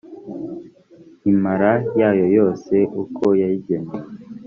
imara yayo yose uko yayigenewe